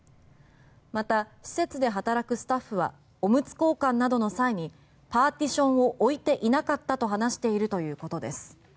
また施設で働くスタッフはオムツ交換などの際にパーティションを置いていなかったと話しているということです。